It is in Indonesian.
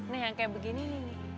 nah yang kayak begini nih